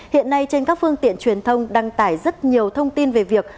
hiện nay trên các phương tiện truyền thông đăng tải rất nhiều thông tin về việc